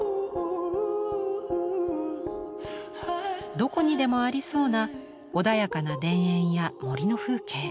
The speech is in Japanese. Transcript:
どこにでもありそうな穏やかな田園や森の風景。